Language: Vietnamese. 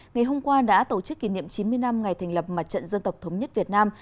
ngày hôm qua đã tổ chức kỷ niệm chín mươi năm ngày thành lập mặt trận dân tộc thống nhất việt nam